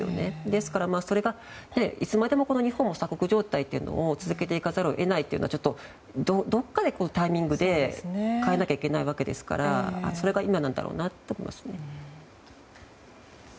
ですから、それでいつまでも日本の鎖国状態を続けていかざるを得ないというのはどこかのタイミングで変えなきゃいけないのでそれが今なんだろうなと思います。